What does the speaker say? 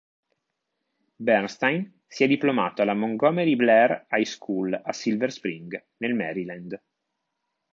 Bernstein si è diplomato alla "Montgomery Blair High School" a Silver Spring, nel Maryland.